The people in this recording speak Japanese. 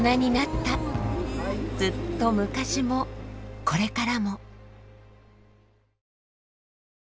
ずっと昔もこれからも。